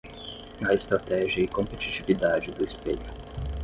A estratégia e competitividade do espelho